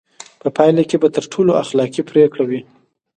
په پایله کې به تر ټولو اخلاقي پرېکړه وي.